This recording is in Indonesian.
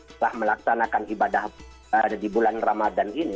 setelah melaksanakan ibadah di bulan ramadan ini